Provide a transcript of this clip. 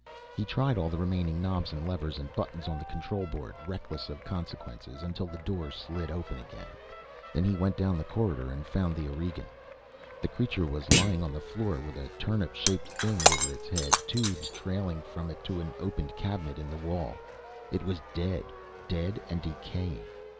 He tried all the remaining knobs and levers and buttons on the control board, reckless of consequences, until the door slid open again. Then he went down the corridor and found the Aurigean. The creature was lying on the floor, with a turnip shaped thing over its head, tubes trailing from it to an opened cabinet in the wall. It was dead dead and decaying.